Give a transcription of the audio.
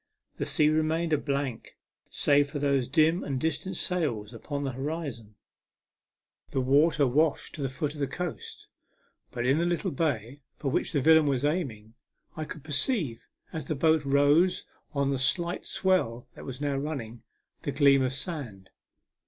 The sea remained a blank, save for those dim and distant sails upon the horizon. The water A MEMORABLE SWIM. 8$ washed to the foot of the coast ; but in the little bay, for which the villain was aiming, I could perceive, as the boat rose on the slight swell that was now running, the gleam of sand.